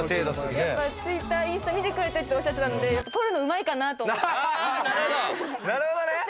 やっぱＴｗｉｔｔｅｒ、インスタを見てくれてるとおっしゃっていたので、やっぱ撮るのうまいかなと思って。